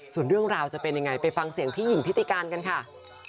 ส่วนเรื่องราวจะเป็นยังไงไปฟังเสียงพี่หญิงทิติการกันค่ะ